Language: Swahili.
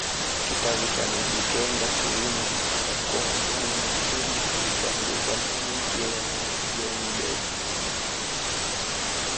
kitabu cha Mijikenda kilimo katika mkoa wa pwani mwa Kenya kilichoandikwa na Henk Waaijenberg